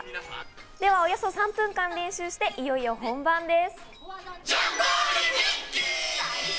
およそ３分間練習して、いよいよ本番です。